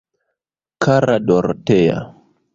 Kara Dorotea!